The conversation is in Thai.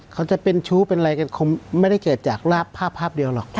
เขาจะเป็นชู้เป็นอะไรกันคงไม่ได้เกิดจากภาพภาพเดียวหรอก